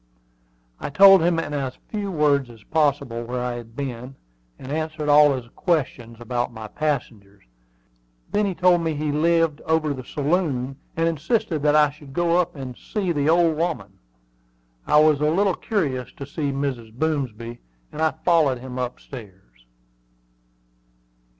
I told him in as few words as possible where I had been, and answered all his questions about my passengers. Then he told me he lived over the saloon, and insisted that I should go up and see the "old woman." I was a little curious to see Mrs. Boomsby, and I followed him up stairs.